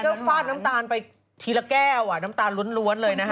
ก็ฟาดน้ำตาลไปทีละแก้วน้ำตาลล้วนเลยนะฮะ